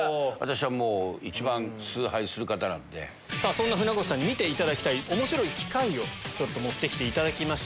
そんな船越さんに見ていただきたいおもしろい機械を持ってきていただきました。